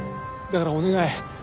だからお願い。